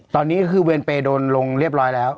ตอนนี้คือเวรเปย์โดนลงเรียบร้อยแล้ว